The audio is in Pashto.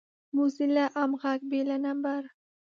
موزیلا عام غږ بې له نمبر